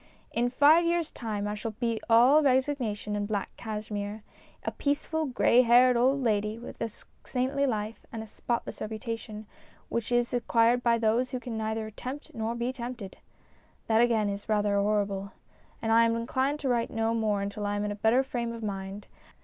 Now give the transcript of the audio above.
In five years' time I shall be all resignation and black cashmere ; a peaceful, grey haired old lady with a saintly life and a spotless reputation, such as is acquired by those who can neither tempt nor be tempted. That, again, is rather horrible, and I am inclined to write no more until I am in a better frame of mind.